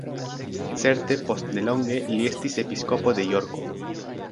Certe post nelonge li estis episkopo de Jorko.